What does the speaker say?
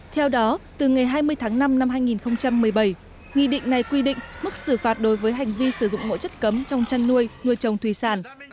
theo đó từ ngày hai mươi tháng năm năm hai nghìn một mươi bảy nghị định này quy định mức xử phạt đối với hành vi sử dụng mỗi chất cấm trong chăn nuôi nuôi trồng thủy sản